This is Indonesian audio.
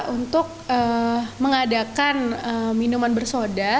untuk mengadakan minuman bersoda